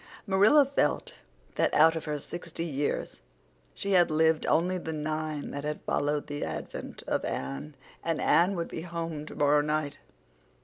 Marilla felt that out of her sixty years she had lived only the nine that had followed the advent of Anne. And Anne would be home tomorrow night.